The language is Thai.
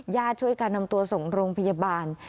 ช่วยการนำตัวส่งโรงพยาบาล